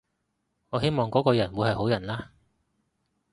我希望嗰個人會係個好人啦